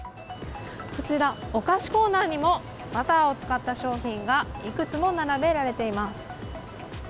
こちら、お菓子コーナーにも、バターを使った商品がいくつも並べられています。